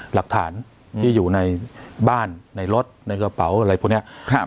หลักฐานที่อยู่ในบ้านในรถในกระเป๋าอะไรพวกนี้